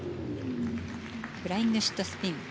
フライングシットスピン。